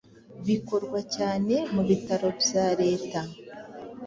bikorwa cyane mu bitaro bya leta